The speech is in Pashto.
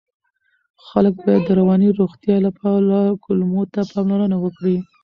خلک باید د رواني روغتیا لپاره کولمو ته پاملرنه وکړي.